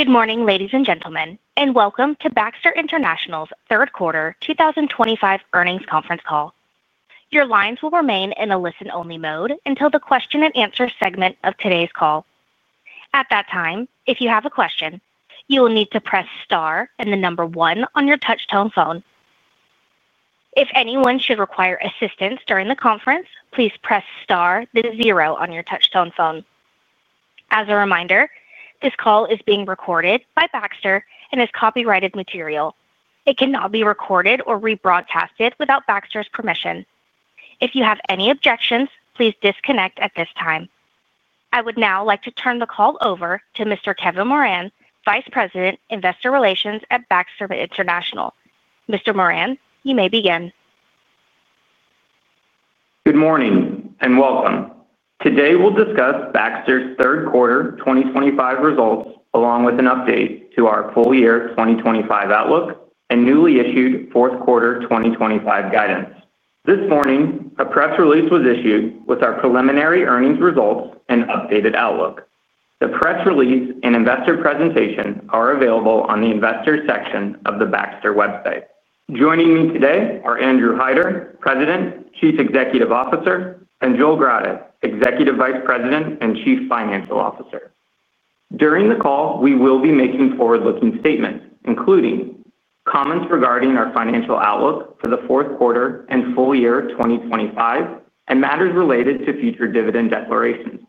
Good morning, ladies and gentlemen, and welcome to Baxter International's third quarter 2025 earnings conference call. Your lines will remain in a listen-only mode until the question-and-answer segment of today's call. At that time, if you have a question, you will need to press star and the number one on your touchtone phone. If anyone should require assistance during the conference, please press star then zero on your touchtone phone. As a reminder, this call is being recorded by Baxter and is copyrighted material. It cannot be recorded or rebroadcast without Baxter's permission. If you have any objections, please disconnect at this time. I would now like to turn the call over to Mr. Kevin Moran, Vice President, Investor Relations at Baxter International. Mr. Moran, you may begin. Good morning and welcome. Today we'll discuss Baxter's third quarter 2025 results along with an update to our full year 2025 outlook and newly issued fourth quarter 2025 guidance. This morning, a press release was issued with our preliminary earnings results and updated outlook. The press release and investor presentation are available on the Investors section of the Baxter website. Joining me today are Andrew Heider, President, Chief Executive Officer, and Joel Grade, Executive Vice President and Chief Financial Officer. During the call, we will be making forward-looking statements, including comments regarding our financial outlook for the fourth quarter and full year 2025 and matters related to future dividend declarations,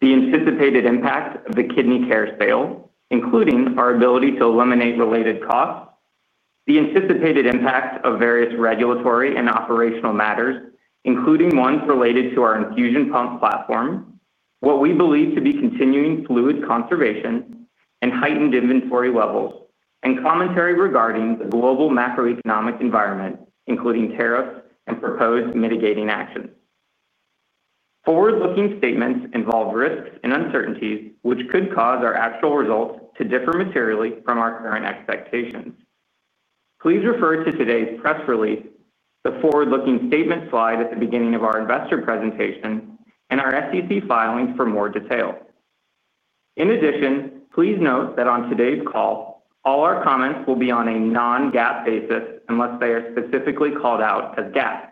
the anticipated impact of the kidney care sale, including our ability to eliminate related costs, the anticipated impact of various regulatory and operational matters, including ones related to our infusion pump platform, what we believe to be continuing fluid conservation and heightened inventory levels, and commentary regarding the global macroeconomic environment, including tariffs and proposed mitigating actions. Forward looking statements involve risks and uncertainties which could cause our actual results to differ materially from our current expectations. Please refer to today's press release. Forward looking statement slide at the beginning of our investor presentation and our SEC filings for more details. In addition, please note that on today's call, all our comments will be on a non-GAAP basis unless they are specifically called out as GAAP.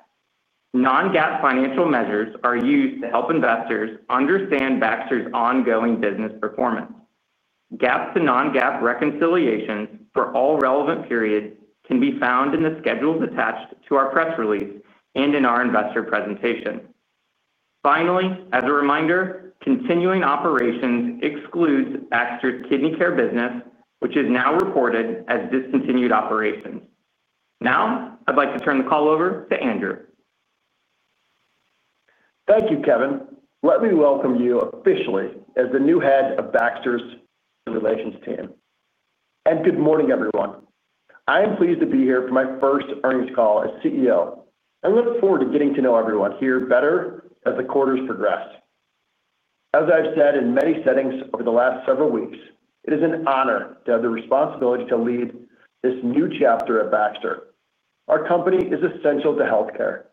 Non-GAAP financial measures are used to help investors understand Baxter's ongoing business performance. GAAP to non-GAAP reconciliations for all relevant periods can be found in the schedules attached to our press release and in our investor presentation. Finally, as a reminder, continuing operations excludes Baxter's kidney care business, which is now reported as discontinued operations. Now I'd like to turn the call over to Andrew. Thank you, Kevin. Let me welcome you officially as the new head of Baxter's relations team, and good morning everyone. I am pleased to be here for my first earnings call as CEO and look forward to getting to know everyone here better as the quarters progress. As I've said in many settings over the last several weeks, it is an honor to have the responsibility to lead this new chapter at Baxter. Our company is essential to healthcare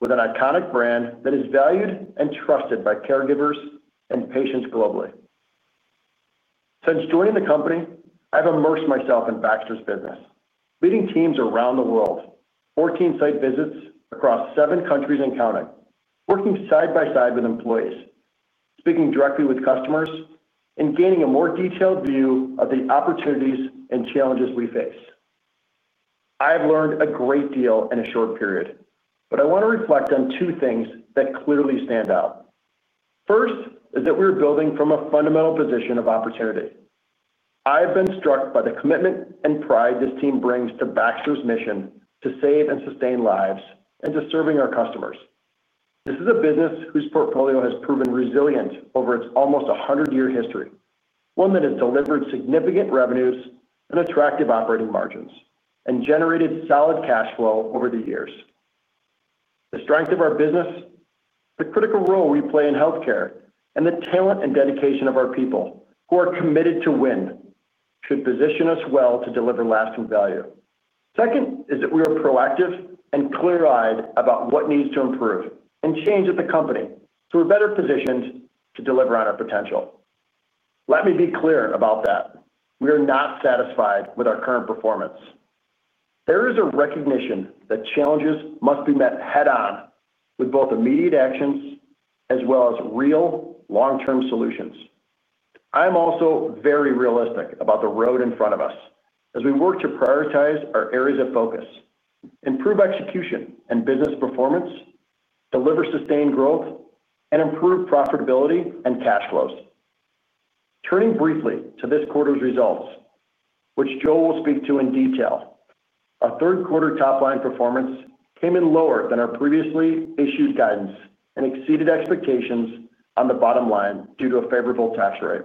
with an iconic brand that is valued and trusted by caregivers and patients globally. Since joining the company, I've immersed myself in Baxter's business, leading teams around the world, 14 site visits across seven countries and counting, working side by side with employees, speaking directly with customers, and gaining a more detailed view of the opportunities and challenges we face. I have learned a great deal in a short period, but I want to reflect on two things that clearly stand out. First is that we're building from a fundamental position of opportunity. I have been struck by the commitment and pride this team brings to Baxter's mission to save and sustain lives and to serving our customers. This is a business whose portfolio has proven resilient over its almost 100 year history, one that has delivered significant revenues and attractive operating margins and generated solid cash flow over the years. The strength of our business, the critical role we play in healthcare, and the talent and dedication of our people who are committed to win should position us well to deliver lasting value. Second is that we are proactive and clear-eyed about what needs to improve and change at the company so we're better positioned to deliver on our potential. Let me be clear about that. We are not satisfied with our current performance. There is a recognition that challenges must be met head on with both immediate actions as well as real long-term solutions. I am also very realistic about the road in front of us as we work to prioritize our areas of focus, improve execution and business performance, deliver sustained growth, and improve profitability and cash flows. Turning briefly to this quarter's results, which Joel will speak to in detail, our third quarter top line performance came in lower than our previously issued guidance and exceeded expectations on the bottom line due to a favorable tax rate.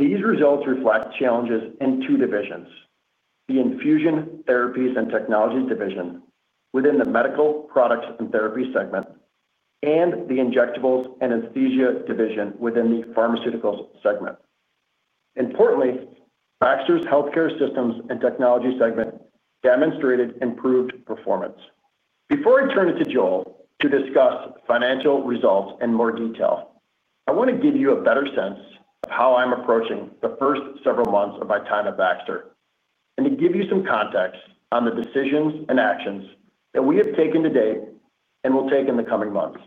These results reflect challenges in two divisions, the Infusion Therapies and Technologies division within the Medical Products & Therapies segment and the Injectables and Anesthesia division within the Pharmaceuticals segment. Importantly, Baxter's Healthcare Systems & Technologies segment demonstrated improved performance. Before I turn it to Joel to discuss financial results in more detail, I want to give you a better sense of how I'm approaching the first several months of my time at Baxter and to give you some context on the decisions and actions that we have taken to date and will take in the coming months.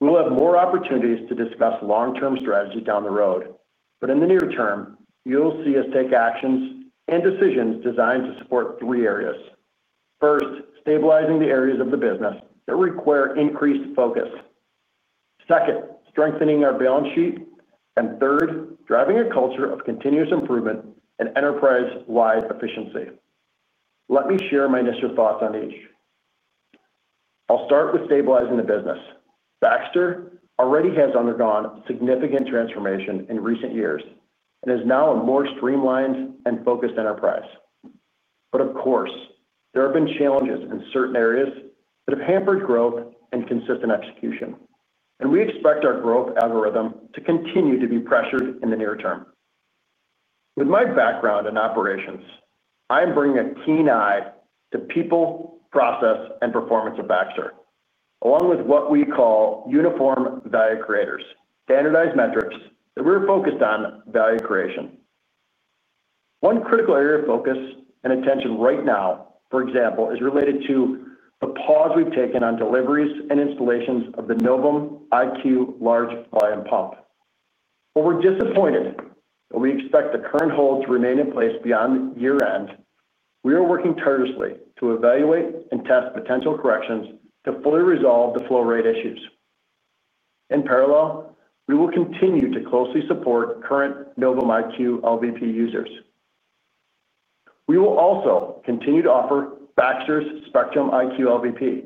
We will have more opportunities to discuss long-term strategy down the road, but in the near-term you'll see us take actions and decisions designed to support three areas. First, stabilizing the areas of the business that require increased focus. Second, strengthening our balance sheet, and third, driving a culture of continuous improvement and enterprise-wide efficiency. Let me share my initial thoughts on each. I'll start with stabilizing the business. Baxter already has undergone significant transformation in recent years and is now a more streamlined and focused enterprise. Of course, there have been challenges in certain areas that have hampered growth and consistent execution, and we expect our growth algorithm to continue to be pressured in the near-term. With my background in operations, I am bringing a keen eye to people, process, and performance of Baxter along with what we call uniform value creators, standardized metrics that we're focused on value creation. One critical area of focus and attention right now, for example, is related to the pause we've taken on deliveries and installations of the Novum IQ Large Volume Pump. While we're disappointed that we expect the current hold to remain in place beyond year-end, we are working tirelessly to evaluate and test potential corrections to fully resolve the flow rate issues. In parallel, we will continue to closely support current Novum IQ LVP users. We will also continue to offer Baxter's Spectrum IQ LVP,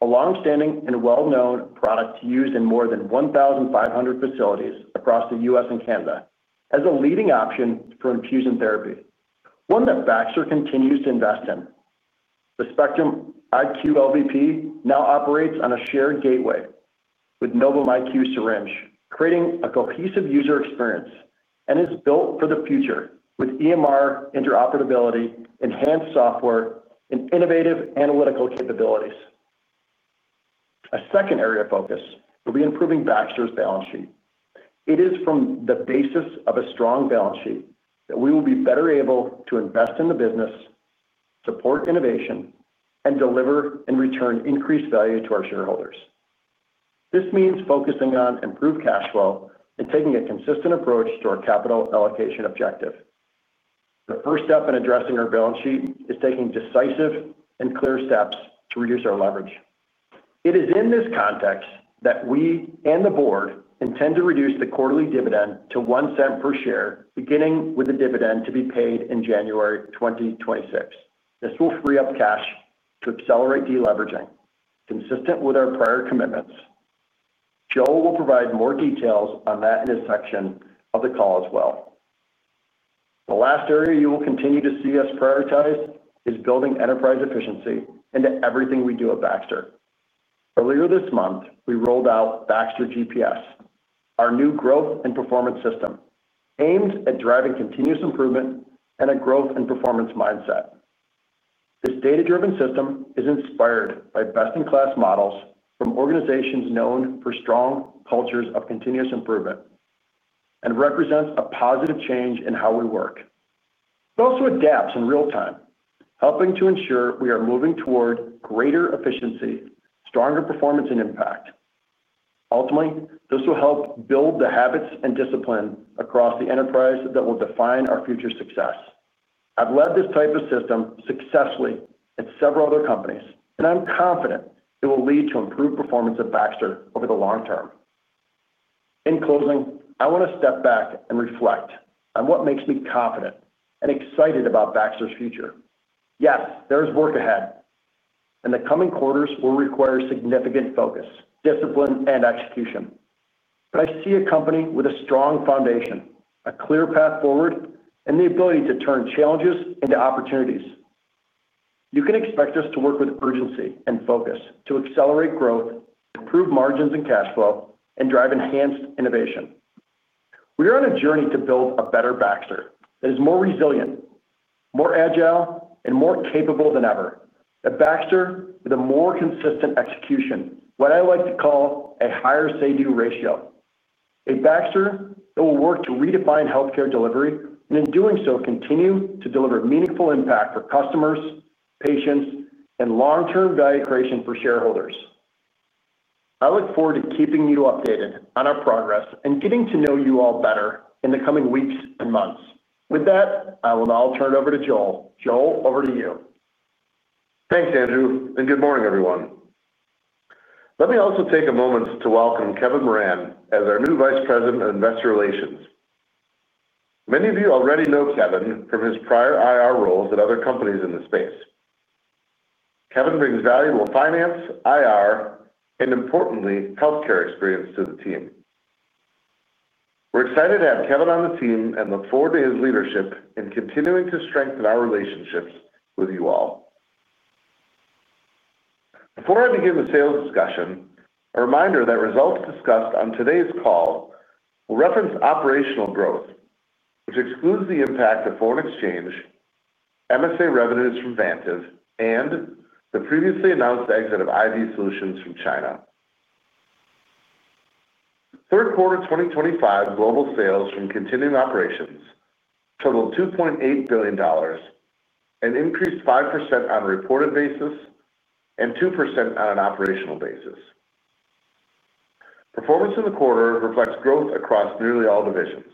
a long-standing and well-known product used in more than 1,500 facilities across the U.S. and Canada as a leading option for infusion therapy, one that Baxter continues to invest in. The Spectrum IQ LVP now operates on a shared gateway with Novum IQ Syringe, creating a cohesive user experience and is built for the future with EMR interoperability, enhanced software, and innovative analytical capabilities. A second area of focus will be improving Baxter's balance sheet. It is from the basis of a strong balance sheet that we will be better able to invest in the business, support innovation, and deliver and return increased value to our shareholders. This means focusing on improved cash flow and taking a consistent approach to our capital allocation objective. The first step in addressing our balance sheet is taking decisive and clear steps to reduce our leverage. It is in this context that we and the Board intend to reduce the quarterly dividend to $0.01 per share, beginning with the dividend to be paid in January 2026. This will free up cash to accelerate deleveraging consistent with our prior commitments. Joel will provide more details on that in his section of the call as well. The last area you will continue to see us prioritize is building enterprise-wide efficiency into everything we do at Baxter. Earlier this month we rolled out Baxter GPS, our new growth and performance system aimed at driving continuous improvement and a growth and performance mindset. This data-driven system is inspired by best-in-class models from organizations known for strong cultures of continuous improvement and represents a positive change in how we work. It also adapts in real time, helping to ensure we are moving toward greater efficiency, stronger performance, and impact. Ultimately, this will help build the habits and discipline across the enterprise that will define our future success. I've led this type of system successfully at several other companies and I'm confident it will lead to improved performance at Baxter over the long-term. In closing, I want to step back and reflect on what makes me confident and excited about Baxter's future. Yes, there is work ahead and the coming quarters will require significant focus, discipline, and execution, but I see a company with a strong foundation, a clear path forward, and the ability to turn challenges into opportunities. You can expect us to work with urgency and focus to accelerate growth, improve margins and cash flow, and drive enhanced innovation. We are on a journey to build a better Baxter that is more resilient, more agile, and more capable than ever. A Baxter with more consistent execution, what I like to call a higher say-do ratio. A Baxter that will work to redefine healthcare delivery and, in doing so, continue to deliver meaningful impact for customers, patients, and long-term value creation for shareholders. I look forward to keeping you updated on our progress and getting to know you all better in the coming weeks and months. With that, I will now turn it over to Joel. Joel, over to you. Thanks, Andrew, and good morning, everyone. Let me also take a moment to welcome Kevin Moran as our new Vice President of Investor Relations. Many of you already know Kevin from his prior IR roles at other companies in the space. Kevin brings valuable finance, IR, and, importantly, healthcare experience to the team. We're excited to have Kevin on the team and look forward to his leadership in continuing to strengthen our relationships with you all. Before I begin the sales discussion, a reminder that results discussed on today's call will reference operational growth, which excludes the impact of foreign exchange, MSA revenues from Vantiv, and the previously announced exit of IV Solutions from China. Third quarter 2025 global sales from continuing operations totaled $2.8 billion and increased 5% on a reported basis and 2% on an operational basis. Performance in the quarter reflects growth across nearly all divisions.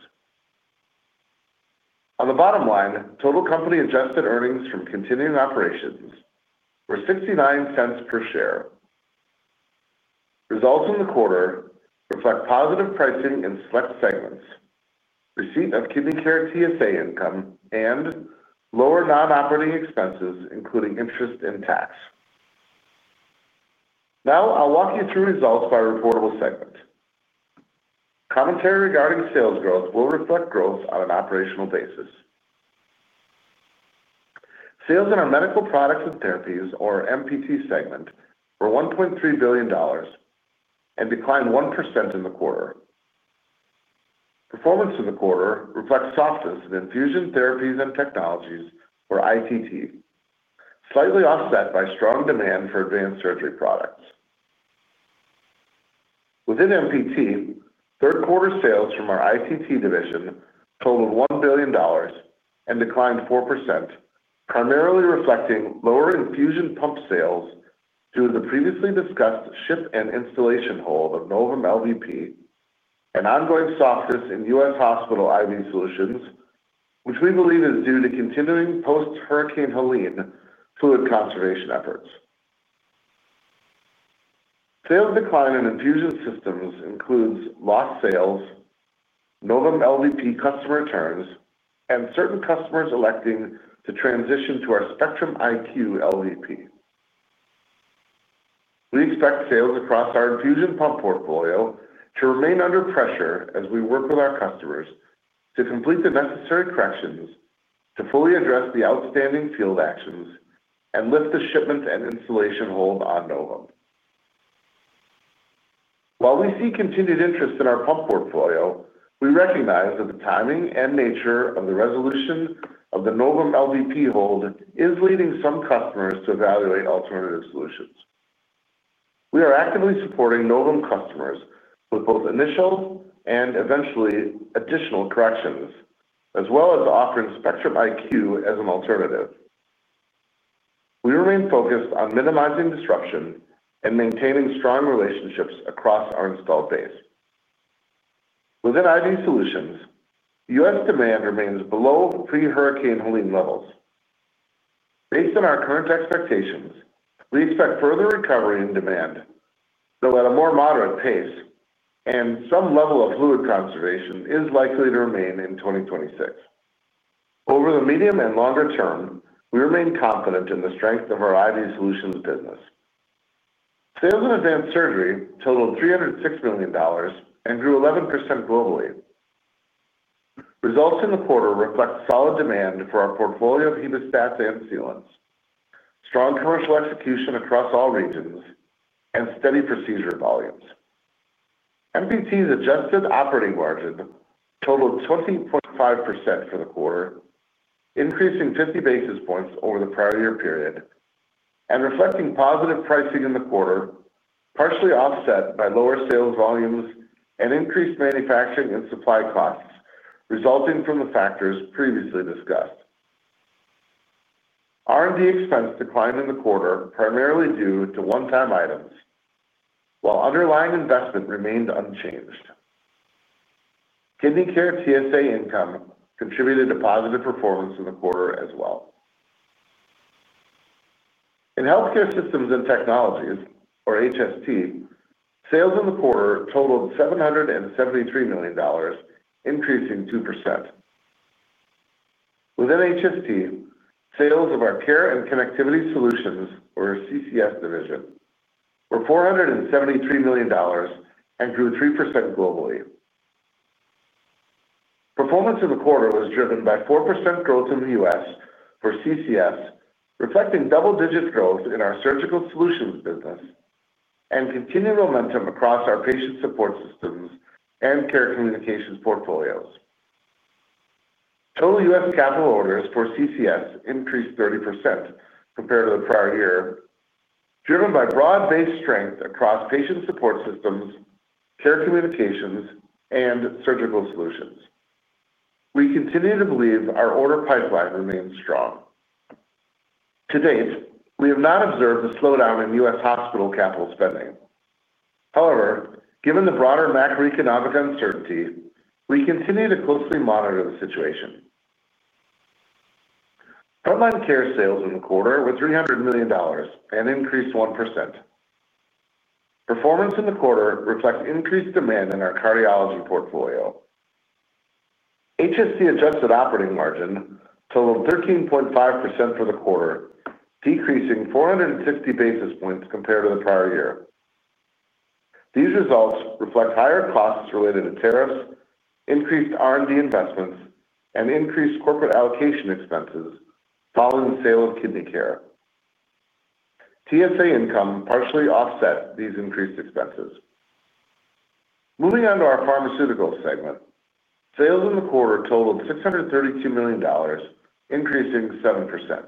On the bottom line, total company adjusted earnings from continuing operations were $0.69 per share. Results in the quarter reflect positive pricing in select segments, receipt of Kidney Care TSA income, and lower non-operating expenses, including interest and tax. Now I'll walk you through results by reportable segment. Commentary regarding sales growth will reflect growth on an operational basis. Sales in our Medical Products & Therapies, or MPT, segment were $1.3 billion and declined 1% in the quarter. Performance in the quarter reflects softness in Infusion Therapies and Technologies, or ITT, slightly offset by strong demand for Advanced Surgery products within MPT. Third quarter sales from our ITT division totaled $1 billion and declined 4%, primarily reflecting lower infusion pump sales due to the previously discussed ship and installation hold of Novum LVP and ongoing softness in U.S. Hospital IV Solutions, which we believe is due to continuing post-Hurricane Helene fluid conservation efforts. Sales decline in Infusion Systems includes lost sales, Novum LVP customer returns, and certain customers electing to transition to our Spectrum IQ LVP. We expect sales across our infusion pump portfolio to remain under pressure as we work with our customers to complete the necessary corrections to fully address the outstanding field actions and lift the shipment and installation hold on Novum. While we see continued interest in our pump portfolio, we recognize that the timing and nature of the resolution of the Novum LVP hold is leading some customers to evaluate alternative solutions. We are actively supporting Novum customers with both initial and eventually additional corrections, as well as offering Spectrum IQ as an alternative. We remain focused on minimizing disruption and maintaining strong relationships across our installed base. Within IV Solutions. U.S. demand remains below pre-Hurricane Helene levels. Based on our current expectations, we expect further recovery in demand, though at a more moderate pace, and some level of fluid conservation is likely to remain in 2026. Over the medium and longer-term, we remain confident in the strength of our IV Solutions business. Sales in Advanced Surgery totaled $306 million and grew 11% globally. Results in the quarter reflect solid demand for our portfolio of hemostats and sealants, strong commercial execution across all regions, and steady procedure volumes. MPT's adjusted operating margin totaled 20.5% for the quarter, increasing 50 basis points over the prior year period and reflecting positive pricing in the quarter, partially offset by lower sales volumes and increased manufacturing and supply costs resulting from the factors previously discussed. R&D expense declined in the quarter primarily due to one-time items, while underlying investment remained unchanged. Kidney Care TSA income contributed to positive performance in the quarter, as well as in Healthcare Systems & Technologies, or HST, sales in the quarter totaled $773 million, increasing 2%. Within HST, sales of our Care and Connectivity Solutions, or CCS, division were $473 million and grew 3% globally. Performance in the quarter was driven by 4% growth in the U.S. for CCS, reflecting double-digit growth in our Surgical Solutions business and continued momentum across our Patient Support Systems and Care Communications portfolios. Total U.S. capital orders for CCS increased 30% compared to the prior year, driven by broad-based strength across Patient Support Systems, Care Communications, and Surgical Solutions. We continue to believe our order pipeline remains strong. To date, we have not observed a slowdown in U.S. hospital capital spending. However, given the broader macroeconomic uncertainty, we continue to closely monitor the situation. Frontline Care sales in the quarter were $300 million and increased 1%. Performance in the quarter reflects increased demand in our cardiology portfolio. HSC adjusted operating margin totaled 13.5% for the quarter, decreasing 460 basis points compared to the prior year. These results reflect higher costs related to tariffs, increased R&D investments, and increased corporate allocation expenses following the sale of Kidney Care. TSA income partially offset these increased expenses. Moving on to our Pharmaceuticals segment, sales in the quarter totaled $632 million, increasing 7%.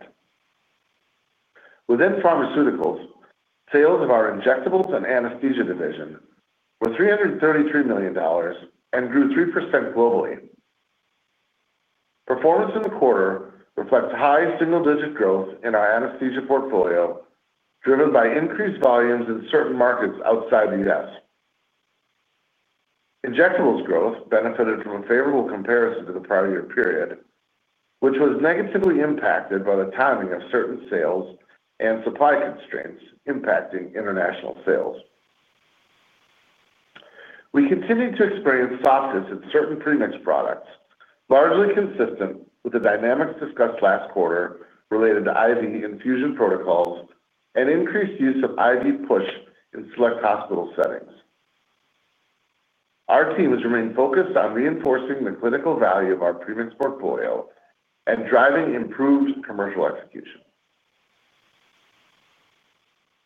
Within Pharmaceuticals, sales of our Injectables and Anesthesia division were $333 million and grew 3% globally. Performance in the quarter reflects high single-digit growth in our Anesthesia portfolio driven by increased volumes in certain markets outside the U.S. Injectables growth benefited from a favorable comparison to the prior year period, which was negatively impacted by the timing of certain sales and supply constraints impacting international sales. We continue to experience softness in certain Premix products, largely consistent with the dynamics discussed last quarter related to IV infusion protocols and increased use of IV push in select hospital settings. Our teams remain focused on reinforcing the clinical value of our Premix portfolio and driving improved commercial execution.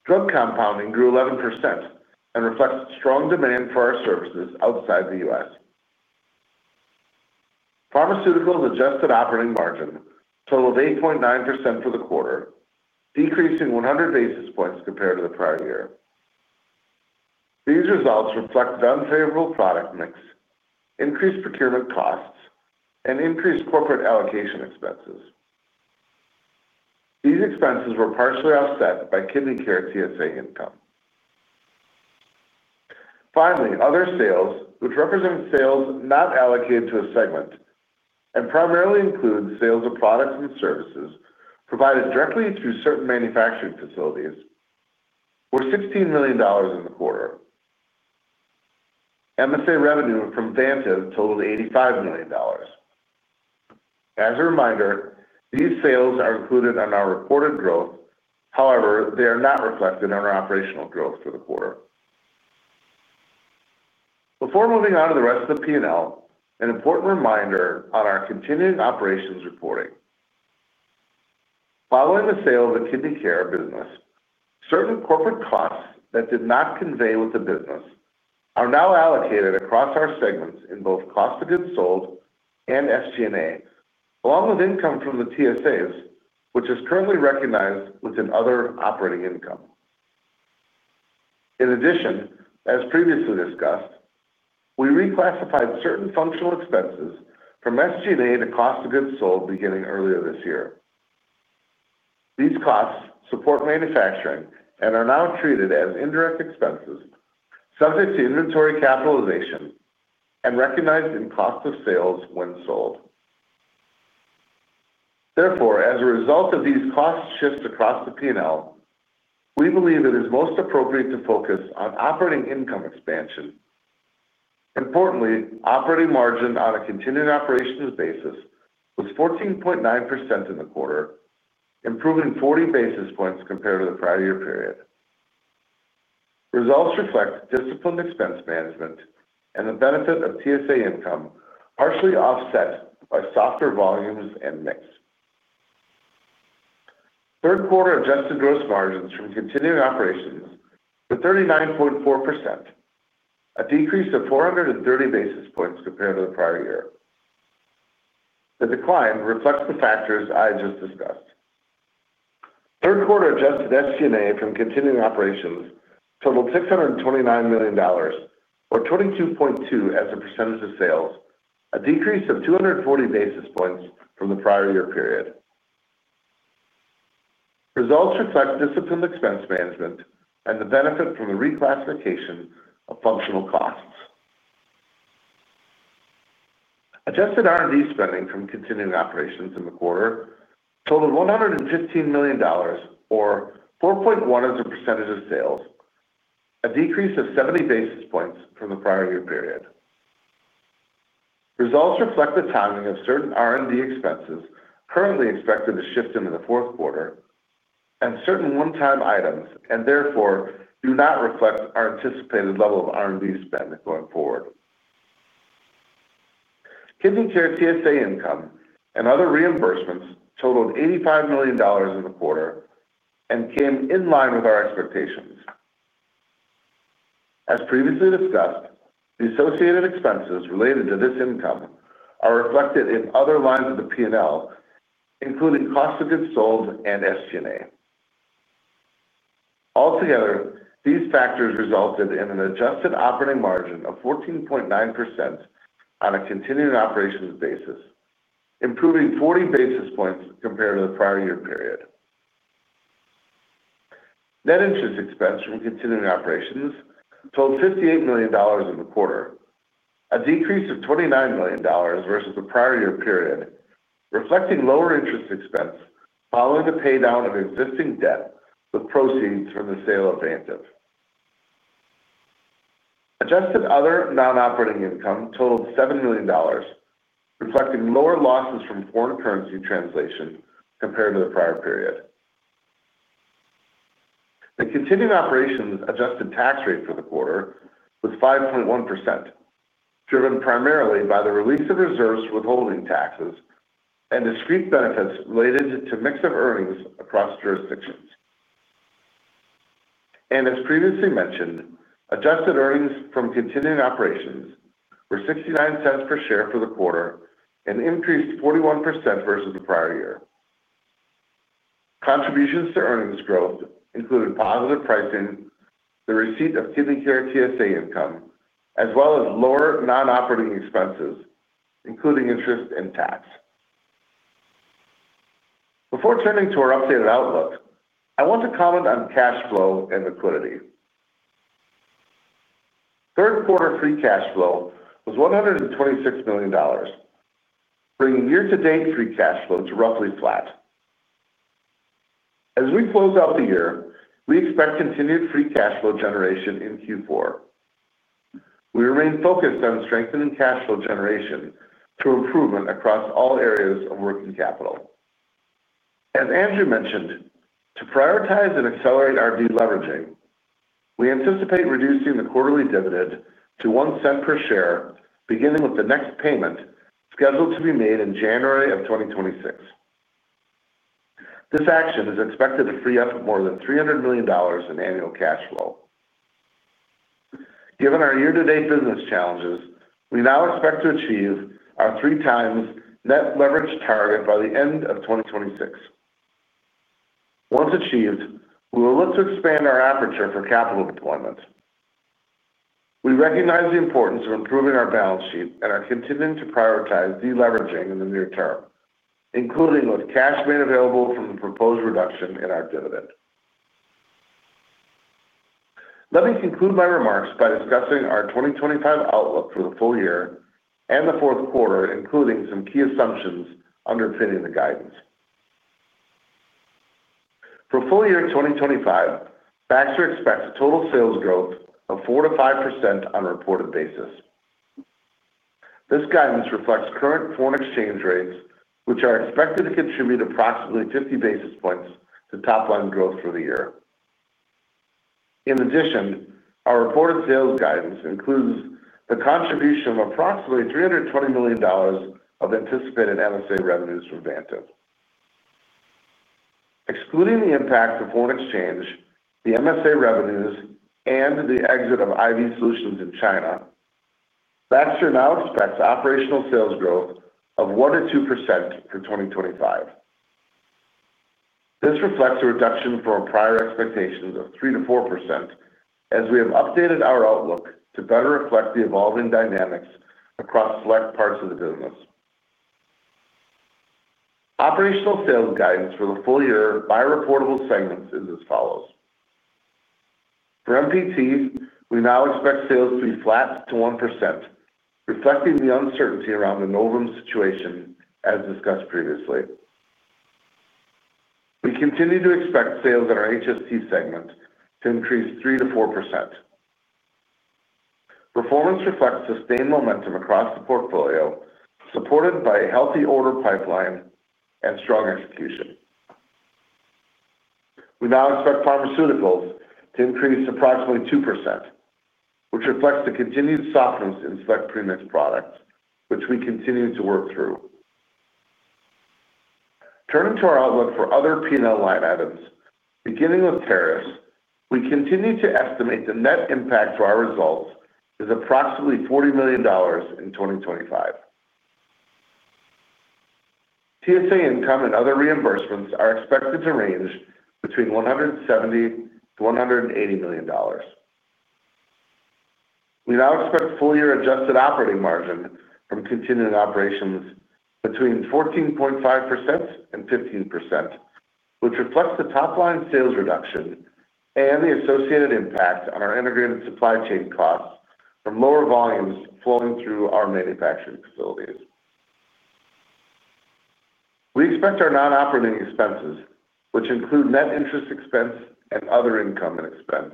Drug Compounding grew 11% and reflects strong demand for our services outside the U.S. Pharmaceuticals adjusted operating margin totaled 8.9% for the quarter, decreasing 100 basis points compared to the prior year. These results reflect unfavorable product mix, increased procurement costs, and increased corporate allocation expenses. These expenses were partially offset by Kidney Care TSA income. Finally, other sales, which represent sales not allocated to a segment and primarily include sales of products and services provided directly through certain manufacturing facilities, were $16 million in the quarter. MSA revenue from Vantiv totaled $85 million. As a reminder, these sales are included in our reported growth. However, they are not reflected in our operational growth for the quarter. Before moving on to the rest of the P&L, an important reminder on our continuing operations reporting: following the sale of the Kidney Care business, certain corporate costs that did not convey with the business are now allocated across our segments in both cost of goods sold and SG&A, along with income from the TSAs, which is currently recognized within other operating income. In addition, as previously discussed, we reclassified certain functional expenses from SG&A to cost of goods sold beginning earlier this year. These costs support manufacturing and are now treated as indirect expenses subject to inventory capitalization and recognized in cost of sales when sold. Therefore, as a result of these cost shifts across the P&L, we believe it is most appropriate to focus on operating income expansion. Importantly, operating margin on a continuing operations basis was 14.9% in the quarter, improving 40 basis points compared to the prior year period. Results reflect disciplined expense management and the benefit of TSA income, partially offset by softer volumes and mix. Third quarter adjusted gross margins from continuing operations were 39.4%, a decrease of 430 basis points compared to the prior year. The decline reflects the factors I just discussed. Third quarter adjusted SG&A from continuing operations totaled $629 million or 22.2% as a percentage of sales, a decrease of 240 basis points from the prior year period. Results reflect disciplined expense management and the benefit from the reclassification of functional costs. Adjusted R&D spending from continuing operations in the quarter totaled $115 million or 4.1% as a percentage of sales, a decrease of 70 basis points from the prior year period. Results reflect the timing of certain R&D expenses currently expected to shift into the fourth quarter and certain one-time items and therefore do not reflect our anticipated level of R&D spend going forward. Kidney care, TSA income, and other reimbursements totaled $85 million in the quarter and came in line with our expectations. As previously discussed, the associated expenses related to this income are reflected in other lines of the P&L, including cost of goods sold and SG&A. Altogether, these factors resulted in an adjusted operating margin of 14.9% on a continuing operations basis, improving 40 basis points compared to the prior year period. Net interest expense from continuing operations totaled $58 million in the quarter, a decrease of $29 million versus the prior year period, reflecting lower interest expense following the pay down of existing debt with proceeds from the sale of Vantiv. Adjusted other non-operating income totaled $7 million, reflecting lower losses from foreign currency translation compared to the prior period. The continuing operations adjusted tax rate for the quarter was 5.1%, driven primarily by the release of reserves, withholding taxes, and discrete benefits related to mix of earnings across jurisdictions. As previously mentioned, adjusted earnings from continuing operations were $0.69 per share for the quarter and increased 41% versus the prior year. Contributions to earnings growth included positive pricing, the receipt of TD TSA income, as well as lower non-operating expenses including interest and tax. Before turning to our updated outlook, I want to comment on cash flow and liquidity. Third quarter free cash flow was $126 million, bringing year-to-date free cash flow to roughly flat. As we close out the year, we expect continued free cash flow generation in Q4. We remain focused on strengthening cash flow generation through improvement across all areas of working capital. As Andrew mentioned, to prioritize and accelerate our deleveraging, we anticipate reducing the quarterly dividend to $0.01 per share beginning with the next payment scheduled to be made in January of 2026. This action is expected to free up more than $300 million in annual cash flow. Given our year-to-date business challenges, we now expect to achieve our 3x net leverage target by the end of 2026. Once achieved, we will look to expand our aperture for capital deployments. We recognize the importance of improving our balance sheet and are continuing to prioritize deleveraging in the near-term, including with cash made available from the proposed reduction in our dividend. Let me conclude my remarks by discussing our 2025 outlook for the full year and the fourth quarter, including some key assumptions underpinning the guidance. For full year 2025, Baxter expects a total sales growth of 4%-5% on a reported basis. This guidance reflects current foreign exchange rates, which are expected to contribute approximately 50 basis points to top line growth for the year. In addition, our reported sales guidance includes the contribution of approximately $320 million of anticipated NSA revenues for Vantiv. Excluding the impact of foreign exchange, the MSA revenues, and the exit of IV Solutions in China. I Baxter now expects operational sales growth of 1%-2% for 2025. This reflects a reduction from prior expectations of 3%-4% as we have updated our outlook to better reflect the evolving dynamics across select parts of the business. Operational sales guidance for the full year by reportable segments is as follows. For MPT, we now expect sales to be flat to 1%, reflecting the uncertainty around the Novum IQ situation. As discussed previously, we continue to expect sales in our HST segment to increase 3%-4%. Performance reflects sustained momentum across the portfolio supported by a healthy order pipeline and strong execution. We now expect Pharmaceuticals to increase approximately 2%, which reflects the continued softness in specialty mix products which we continue to work through. Turning to our outlook for other P&L line items, beginning with TSA, we continue to estimate the net impact to our results is approximately $40 million in 2025. TSA income and other reimbursements are expected to range between $170 million-$180 million. We now expect full year adjusted operating margin from continuing operations between 14.5% and 15%, which reflects the top line sales reduction and the associated impact on our integrated supply chain costs from lower volumes flowing through our manufacturing facilities. We expect our non-operating expenses, which include net interest expense and other income and expense,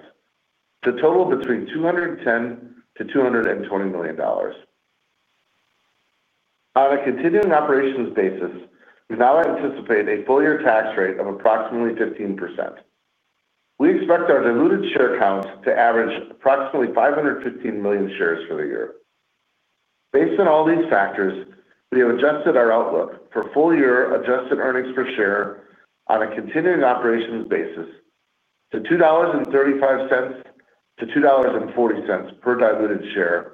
to total between $210 million-$220 million on a continuing operations basis. We now anticipate a full year tax rate of approximately 15%. We expect our diluted share count to average approximately 515 million shares for the year. Based on all these factors, we have adjusted our outlook for full year adjusted earnings per share on a continuing operations basis to $2.35-$2.40 per diluted share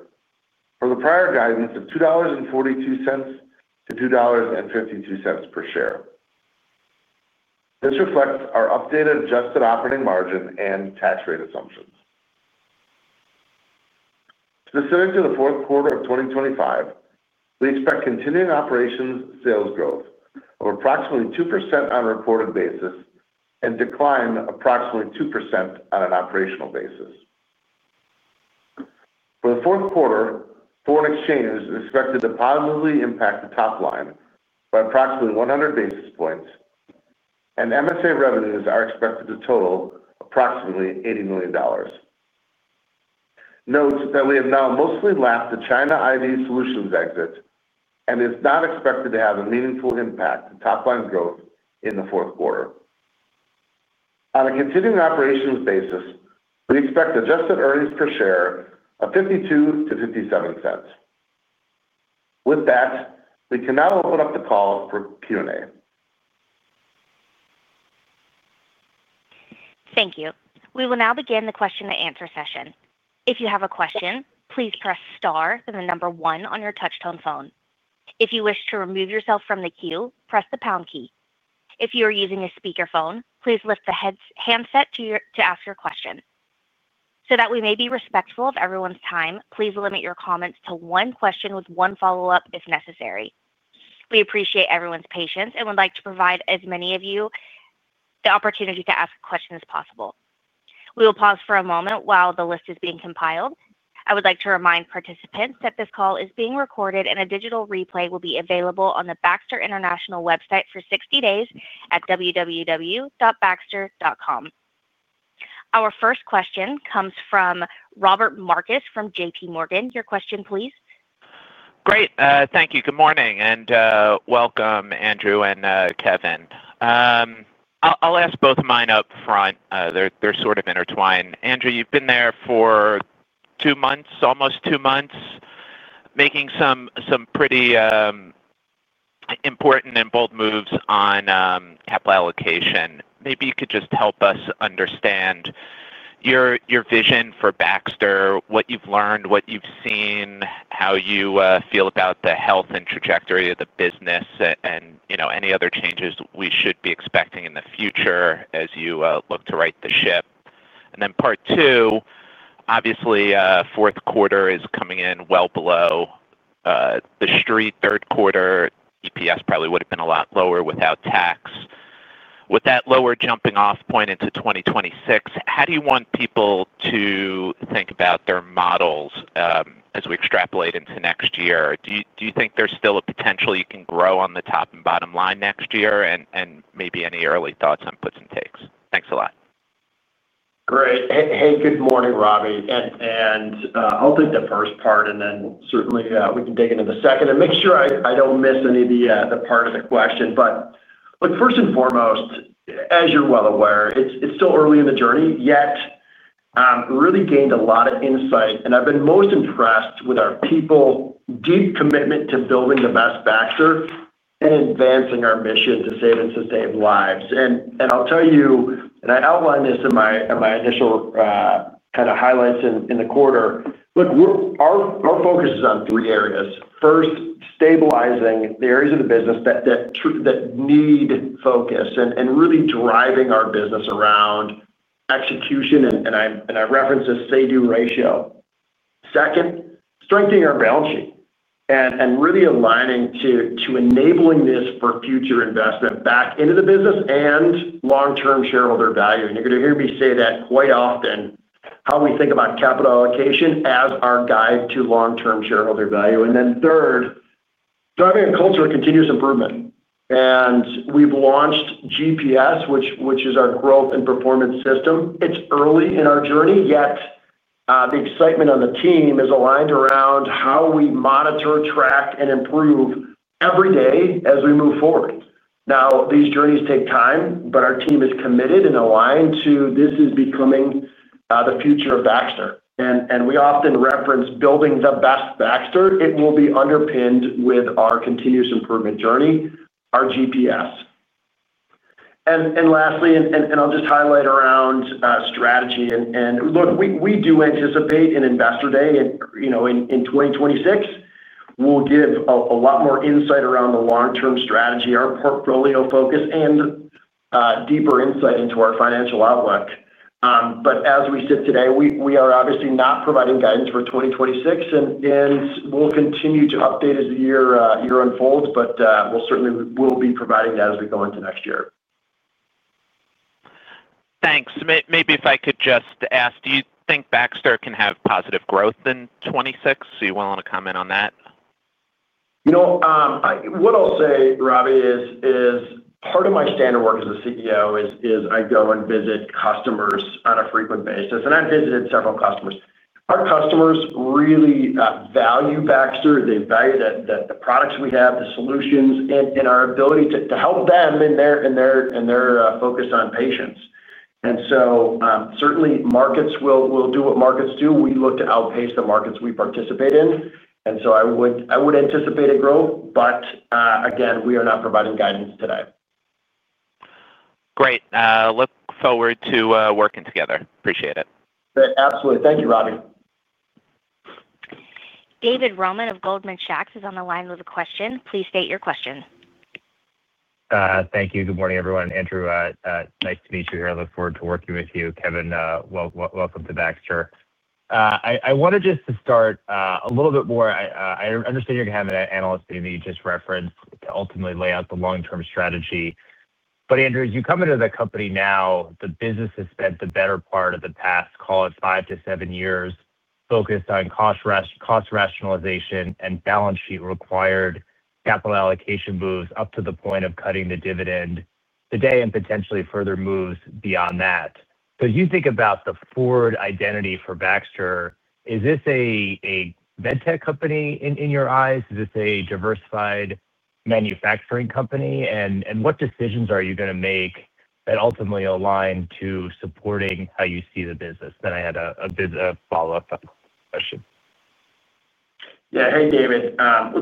from the prior guidance of $2.42-$2.52 per share. This reflects our updated adjusted operating margin and tax rate assumptions. Specific to the fourth quarter of 2025, we expect continuing operations sales growth of approximately 2% on a reported basis and decline approximately 2% on an operational basis. For the fourth quarter, foreign exchange is expected to positively impact the top line by approximately 100 basis points and MSA revenues are expected to total approximately $80 million. Note that we have now mostly lapped the China IV Solutions exit and it is not expected to have a meaningful impact to top line growth in the fourth quarter. On a continuing operations basis, we expect adjusted earnings per share of $0.52-$0.57. With that, we can now open up the call for Q&A. Thank you. We will now begin the question-and-answer session. If you have a question, please press star then the number one on your touchtone phone. If you wish to remove yourself from the queue, press the pound key. If you are using a speakerphone, please lift the handset to ask your question so that we may be respectful of everyone's time. Please limit your comments to one question with one follow up if necessary. We appreciate everyone's patience and would like to provide as many of you the opportunity to ask a question as possible. We will pause for a moment while the list is being compiled. I would like to remind participants that this call is being recorded and a digital replay will be available on the Baxter International website for 60 days at www.baxter.com. Our first question comes from Robbie Marcus from JPMorgan. Your question please. Great, thank you. Good morning and welcome. Andrew and Kevin, I'll ask both of mine up front. They're sort of intertwined. Andrew, you've been there for two months, almost two months, making some pretty important and bold moves on capital allocation. Maybe you could just help us understand your vision for Baxter, what you've learned, what you've seen, how you feel about the health and trajectory of the business, and any other changes we should be expecting in the future as you look to right the ship. Part two, obviously fourth quarter is coming in well below the street. Third quarter EPS probably would have been a lot lower without tax. With that lower jumping off point into 2026, how do you want people to think about their models as we extrapolate into next year? Do you think there's still a potential you can grow on the top and bottom line next year, and maybe any early thoughts on puts and takes? Thanks a lot. Great. Hey, good morning Robbie. I'll take the first part and then certainly we can dig into the second if I don't miss any part of the question. First and foremost, as you're well aware, it's still early in the journey yet I've really gained a lot of insight and I've been most impressed with our people's deep commitment to building the best Baxter and advancing our mission to save lives. I'll tell you, and I outlined this in my initial kind of highlights in the quarter, our focus is on three areas. First, stabilizing the areas of the business that need focus and really driving our business around execution. I reference a seduce ratio. Second, strengthening our balance sheet and really aligning to enabling this for future investment back into the business and long-term shareholder value. You're going to hear me say that quite often, how we think about capital allocation as our guide to long-term shareholder value. Third, driving a culture of continuous improvement. We've launched GPS, which is our growth and performance system. It's early in our journey yet the excitement on the team is aligned around how we monitor, track, and improve every day as we move forward. These journeys take time, but our team is committed and aligned to this becoming the future of Baxter. We often reference building the best Baxter. It will be underpinned with our continuous improvement journey, our GPS. Lastly, I'll just highlight around strategy. We do anticipate an Investor Day in 2026. We'll give a lot more insight around the long-term strategy, our portfolio focus, and deeper insight into our financial outlook. As we sit today, we are obviously not providing guidance for 2026 and we'll continue to update as the year unfolds. We'll certainly be providing that as we go into next year. Thanks. Maybe if I could just ask, do you think Baxter can have positive growth in 2026? Are you willing to comment on that? You know what I'll say, Robbie, is part of my standard work as a CEO is I go and visit customers on a frequent basis and I visited several customers. Our customers really value Baxter. They value the products we have, the solutions, and our ability to help them and their focus on patients. Certainly, markets will do what markets do. We look to outpace the markets we participate in. I would anticipate a growth, but again, we are not providing guidance today. Great. Look forward to working together. Appreciate it. Absolutely. Thank you, Robbie. David Roman of Goldman Sachs is on the line with a question. Please state your question. Thank you. Good morning everyone. Andrew, nice to meet you here. I look forward to working with you. Kevin, welcome to Baxter. I wanted just to start a little bit more. I understand you're going to have an analyst thing that you just referenced to ultimately lay out the long-term strategy. As you come into the company now, the business has spent the better part of the past, call it five to seven years, focused on cost rationalization and balance sheet required capital allocation moves up to the point of cutting the dividend today and potentially further moves beyond that. As you think about the forward identity for Baxter, is this a Medtech company in your eyes? Is this a diversified manufacturing company? What decisions are you going to make that ultimately align to supporting how you see the business? I had a follow up question. Yeah. Hey David.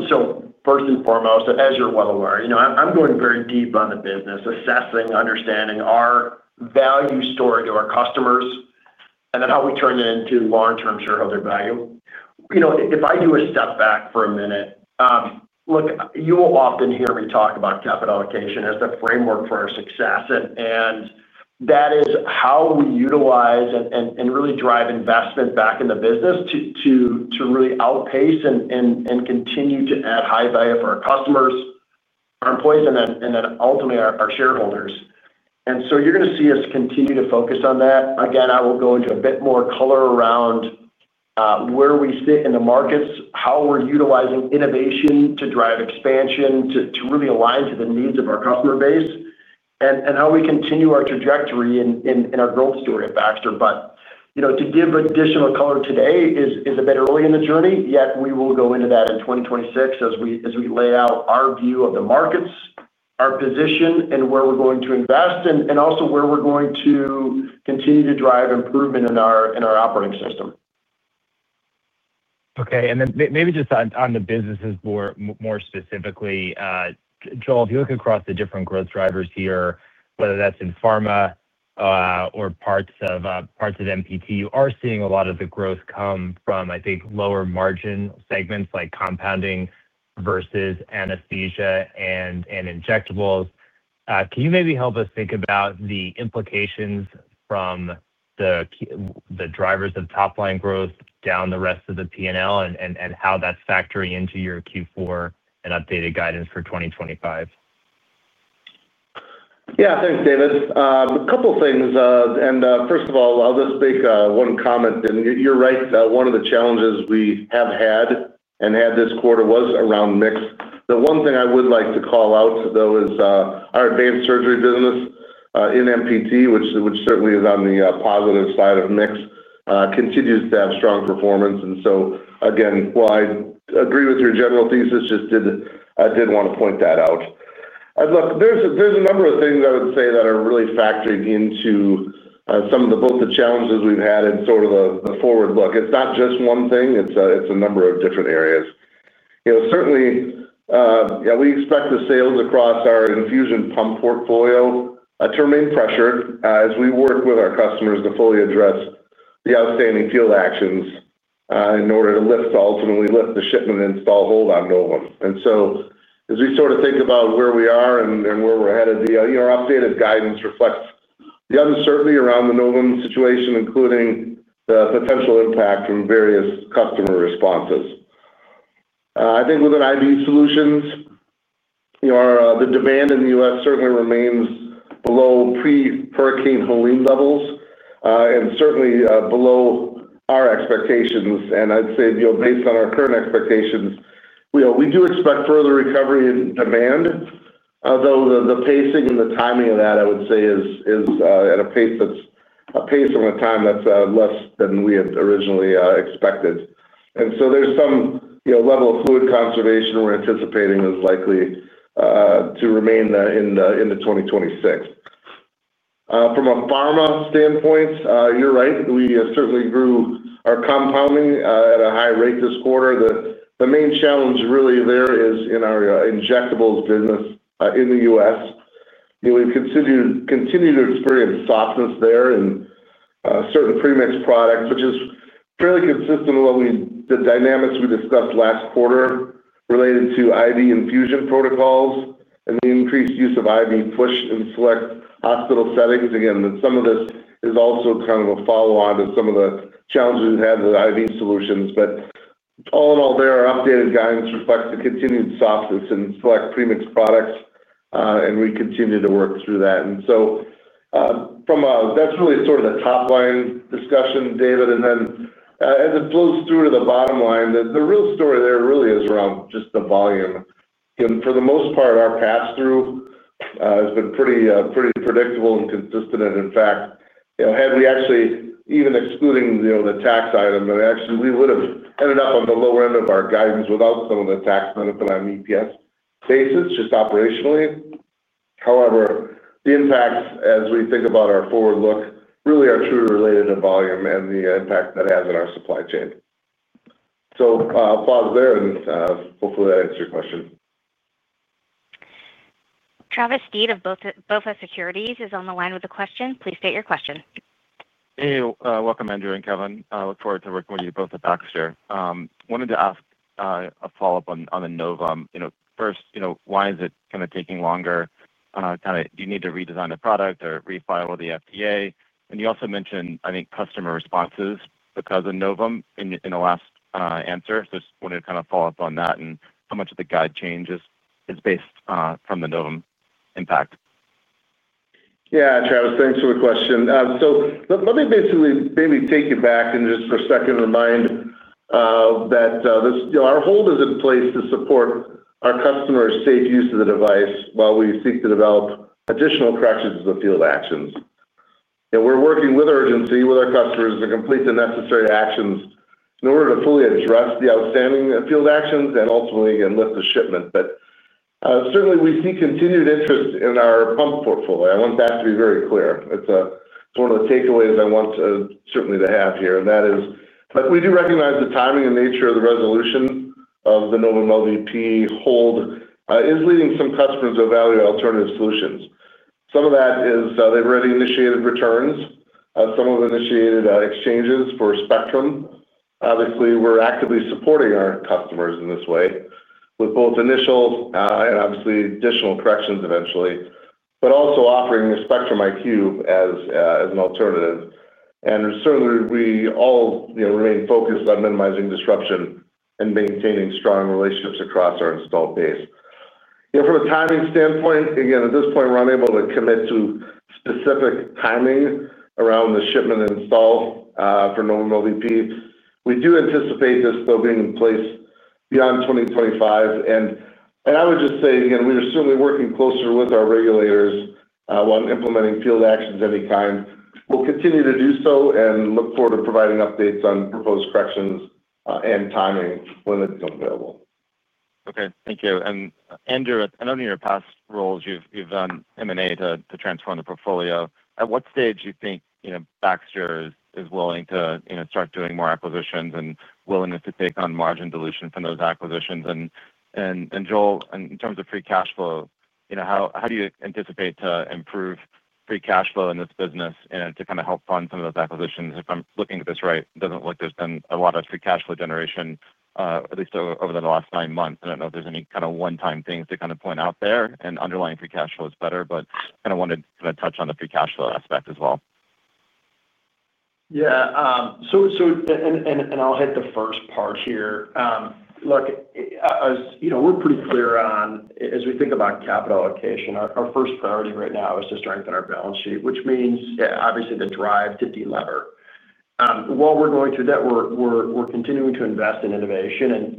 So first and foremost, as you're well aware, I'm going very deep on the business, assessing, understanding our value story to our customers and then how we turn it into long-term shareholder value. If I do a step back for a minute, look, you will often hear me talk about capital allocation as the framework for our success. That is how we utilize and really drive investment back in the business to really outpace and continue to add high value for our customers, our employees, and then ultimately our shareholders. You're going to see us continue to focus on that. Again, I will go into a bit more color around where we sit in the markets, how we're utilizing innovation to drive expansion, to really align to the needs of our customer base, and how we continue our trajectory in our growth story at Baxter. To give additional color today is a bit early in the journey yet. We will go into that in 2026 as we lay out our view of the markets, our position, and where we're going to invest and also where we're going to continue to drive improvement in our operating system. Okay. Maybe just on the businesses more specifically. Joel, if you look across the different growth drivers here, whether that's in Pharma or parts of MPT, you are seeing a lot of the growth come from, I think, lower margin segments like compounding versus anesthesia and injectables. Can you maybe help us think about the implications from the drivers of top line growth down the rest of the P&L and how that's factoring into your Q4 and updated guidance for 2025? Yeah, thanks David. A couple things. First of all, I'll just make one comment, and you're right. One of the challenges we have had and had this quarter was around mix. The one thing I would like to call out though is our Advanced Surgery business in MPT which certainly is on the positive side of mix, continues to have strong performance. While I agree with your general thesis, I just did want to point that out. Look, there's a number of things I would say that are really factoring into some of both the challenges we've had and sort of the forward look. It's not just one thing, it's a number of different areas. Certainly, we expect the sales across our infusion pump portfolio to remain pressured as we work with our customers to fully address the outstanding field actions in order to ultimately lift the shipment install hold on Novum. As we sort of think about where we are and where we're headed, your updated guidance reflects the uncertainty around the Novum situation, including the potential impact from various customer responses. I think within IV Solutions, the demand in the U.S. certainly remains below pre-Hurricane Helene levels and certainly below our expectations. I'd say based on our current expectations, we do expect further recovery in demand, although the pacing and the timing of that I would say is at a pace on a time that's less than we had originally expected. There's some level of fluid conservation we're anticipating is likely to remain in 2026. From a Pharma standpoint, you're right, we certainly grew our compounding at a high rate this quarter. The main challenge really there is in our injectables business in the U.S. We continue to experience softness there in certain premix products, which is fairly consistent with the dynamics we discussed last quarter related to IV infusion protocols and the increased use of IV push in select hospital settings. Some of this is also kind of a follow-on to some of the challenges had with IV Solutions. All in all, our updated guidance reflects the continued softness in select premixed products, and we continue to work through that. That's really sort of the top line discussion, David. As it flows through to the bottom line, the real story there really is around just the volume for the most part. Our pass through has been pretty predictable and consistent, and in fact, had we actually, even excluding the tax item, we would have ended up on the lower end of our guidance without some of the tax benefit on an EPS basis just operationally. However, the impacts as we think about our forward look really are truly related in volume and the impact that has on our supply chain. I'll pause there and hopefully that answers your question. Travis Steed of BofA Securities is on the line with the question. Please state your question. Hey, welcome Andrew and Kevin. I look forward to working with you both at Baxter. Wanted to ask a follow up on the Novum. First, why is it kind of taking longer, do you need to redesign the product or refile the FDA? You also mentioned, I think, customer responses because of Novum in the last answer. Just wanted to follow up on that, and how much of the guide change is based from the Novum impact. Yeah, Travis, thanks for the question. Let me basically maybe take you back and just for a second remind that our hold is in place to support our customers' safe use of the device. While we seek to develop additional corrections of field actions, we're working with urgency with our customers to complete the necessary actions in order to fully address the outstanding field actions and ultimately enlist the shipment. We certainly see continued interest in our pump portfolio. I want that to be very clear. It's one of the takeaways I want certainly to have here, and that is we do recognize the timing and nature of the resolution of the Novum LVP hold is leading some customers to evaluate alternative solutions. Some of that is they've already initiated returns, some have initiated exchanges for Spectrum. Obviously, we're actively supporting our customers in this way with both initial and obviously additional corrections eventually, but also offering Spectrum IQ as an alternative. We all remain focused on minimizing disruption and maintaining strong relationships across our installed base. From a timing standpoint, again, at this point we're unable to commit to specific timing around the shipment install for Novum LVP. We do anticipate this though being in place beyond 2025, and I would just say again, we are certainly working closer with our regulators when implementing field actions of any kind. We'll continue to do so and look forward to providing updates on proposed corrections and timing when it becomes available. Okay, thank you. Andrew, I know in your past roles you've done M&A to transform the portfolio. At what stage do you think Baxter is willing to start doing more acquisitions and willingness to take on margin dilution from those acquisitions? Joel, in terms of free cash flow, how do you anticipate to improve free cash flow in this business to kind of help fund some of those acquisitions? If I'm looking at this right, it doesn't look like there's been a lot of free cash flow generation at least over the last nine months. I don't know if there's any kind of one-time things to point out there and underlying free cash flow is better. I wanted to touch on the free cash flow aspect as well. Yeah, so I'll hit the first part here. Look, as you know, we're pretty clear on as we think about capital allocation. Our first priority right now is to strengthen our balance sheet, which means obviously the drive to delever. While we're going through that, we're continuing to invest in innovation, and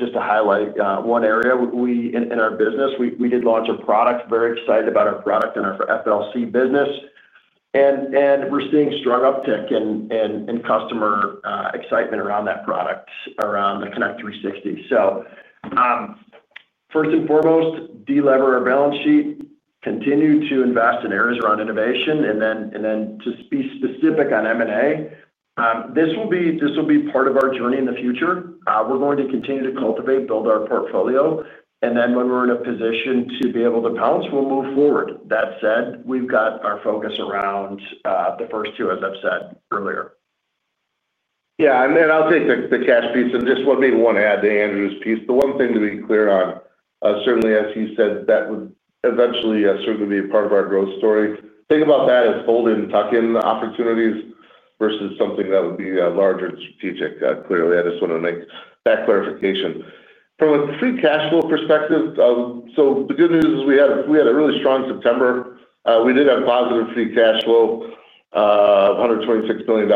just to highlight one area in our business, we did launch a product. Very excited about our product and our FLC business, and we're seeing strong uptick in customer excitement around that product, around the Connect360. First and foremost, delever our balance sheet, continue to invest in areas around innovation, and then to be specific on M&A, this will be part of our journey in the future. We're going to continue to cultivate, build our portfolio, and then when we're in a position to be able to pounce, we'll move forward. That said, we've got our focus around the first two as I've said earlier. Yeah, I'll take the cash piece and just maybe one add to Andrew's piece. The one thing to be clear on, certainly as he said, that would eventually certainly be part of our growth story. Think about that as fold-in, tuck-in opportunities versus something that would be larger and strategic. Clearly, I just want to make that clarification from a free cash flow perspective. The good news is we had a really strong September. We did have positive free cash flow, $126 million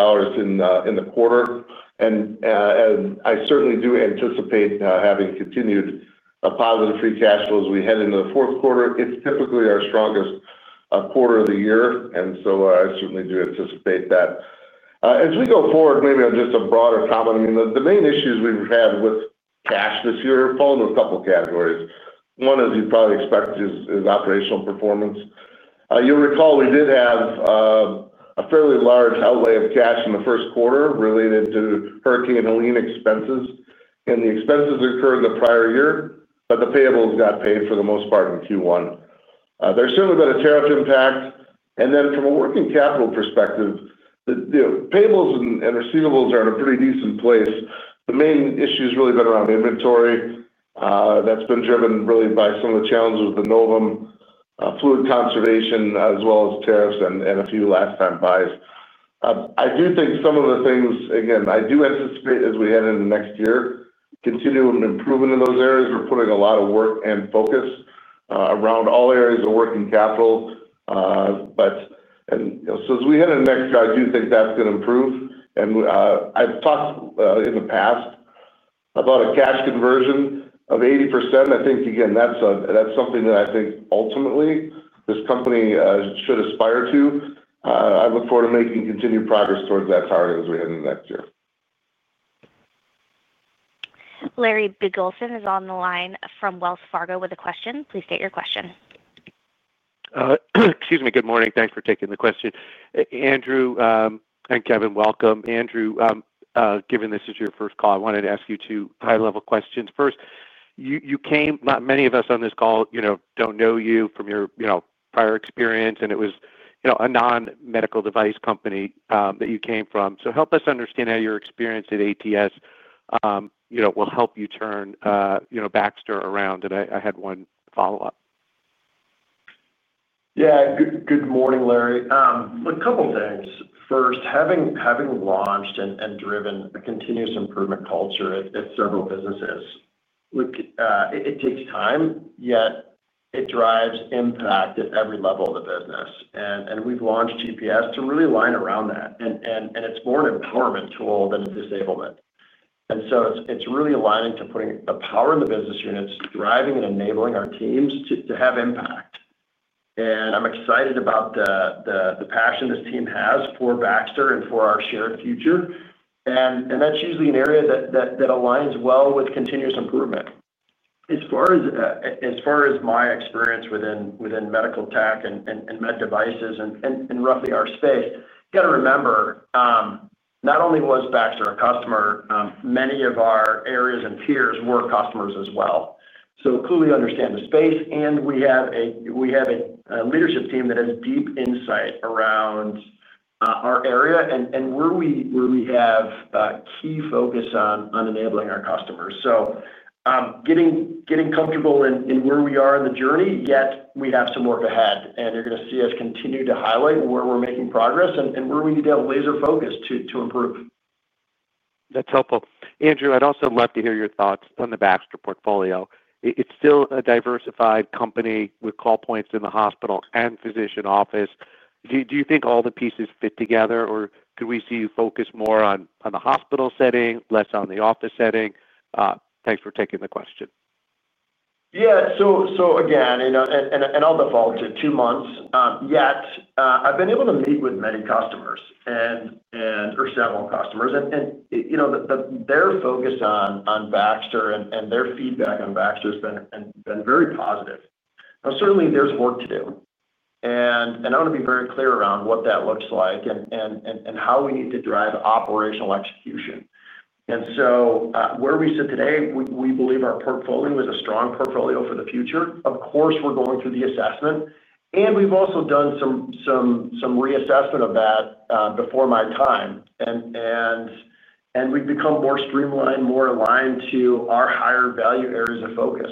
in the quarter. I certainly do anticipate having continued positive free cash flow as we head into the fourth quarter. It's typically our strongest quarter of the year. I certainly do anticipate that as we go forward. Maybe on just a broader comment, the main issues we've had with cash this year fall into a couple categories. One, as you probably expect, is operational performance. You'll recall we did have a fairly large outlay of cash in the first quarter related to Hurricane Helene expenses and the expenses incurred in the prior year, but the payables got paid for the most part in Q1. There's certainly been a tariff impact, and then from a working capital perspective, payables and receivables are in a pretty decent place. The main issue has really been around inventory. That's been driven really by some of the challenges with the Novum fluid conservation as well as tariffs and a few last time buys. I do think some of the things, again, I do anticipate as we head into next year, continuing improvement in those areas. We're putting a lot of work and focus around all areas of working capital. Since we hit it next year, I do think that's going to improve. I've talked in the past about a cash conversion of 80%. I think again that's something that I think ultimately this company should aspire to. I look forward to making continued progress towards that target as we head into next year. Larry Biegelsen is on the line from Wells Fargo with a question. Please state your question. Excuse me. Good morning. Thanks for taking the question. Andrew and Kevin, welcome. Andrew, given this is your first call, I wanted to ask you two high level questions first. Many of us on this call don't know you from your prior experience and it was a non medical device company that you came from. Help us understand how your experience at ATS will help you turn Baxter around. I had one follow up. Yeah. Good morning, Larry. A couple things first, having launched and driven a continuous improvement culture at several businesses, it takes time, yet it drives impact at every level of the business. We've launched GPS to really line around that, and it's more an empowerment tool than a disablement tool. It's really aligning to putting the power in the business units, driving and enabling our teams to have impact, and I'm excited about the passion this team has for Baxter and for our shared future. That's usually an area that aligns well with continuous improvement. As far as my experience within medical tech and med devices and roughly our space, you got to remember not only was Baxter a customer, many of our areas and peers were customers as well. Clearly understand the space, and we have a leadership team that has deep insight around our area and where we have key focus on enabling our customers. Getting comfortable in where we are in the journey, yet we have some work ahead, and you're going to see us continue to highlight where we're making progress and where we need to have laser focus improve. That's helpful, Andrew. I'd also love to hear your thoughts on the Baxter portfolio. It's still a diversified company with call points in the hospital and physician office. Do you think all the pieces fit together, or could we see you focus more on the hospital setting, less on the office setting? Thanks for taking the question. Yeah, so again, I'll default to two months yet. I've been able to meet with many customers, or several customers, and you know, their focus on Baxter and their feedback on Baxter has been very positive. Certainly there's work to do. I want to be very clear around what that looks like and how we need to drive operational execution. Where we sit today, we believe our portfolio is a strong portfolio for the future. Of course, we're going through the assessment and we've also done some reassessment of that before my time, and we've become more streamlined, more aligned to our higher value areas of focus.